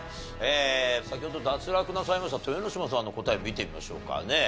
先ほど脱落なさいました豊ノ島さんの答え見てみましょうかね。